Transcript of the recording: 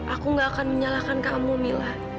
aku gak akan menyalahkan kamu mila